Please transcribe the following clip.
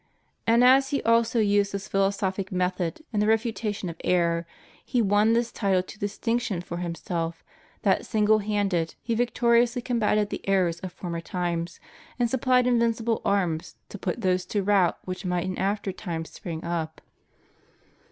And as he also used this philosophic method in the refuta tion of error, he won this title to distinction for himself: that single handed he victoriously combated the errors of former times, and supplied invincible arms to put those to rout which might in after times spring up.